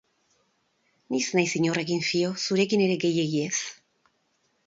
Ni ez naiz inorekin fio, zurekin ere gehiegi ez.